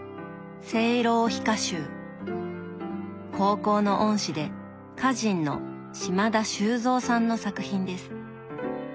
高校の恩師で歌人の島田修三さんの作品です。